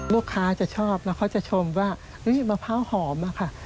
ลูกค้าจะชอบแล้วเขาจะชมว่ามะพร้าวหอมอะค่ะ